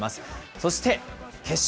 そして、決勝。